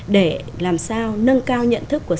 để làm sao nâng cao nhận thức của chúng ta